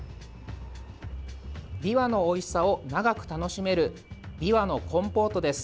びわのおいしさを長く楽しめるびわのコンポートです。